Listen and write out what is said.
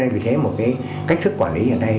vì thế một cách sức quản lý hiện nay